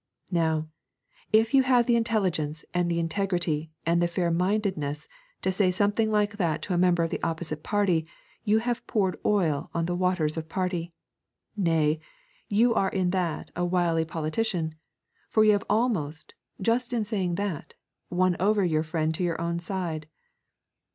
Now, if you have the intelligence and the integrity and the fair mindedness to say something like that to a member of the opposite party you have poured oil on the waters of party; nay, you are in that a wily politician, for you have almost, just in saying that, won over your friend to your own side.